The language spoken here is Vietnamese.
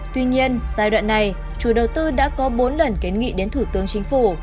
tuy nhiên giai đoạn này chủ đầu tư đã có bốn lần kiến nghị đến thủ tướng chính phủ